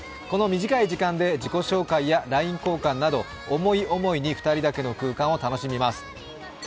この短い時間で自己紹介やＬＩＮＥ交換など思い思いに２人だけの空間を楽しみます。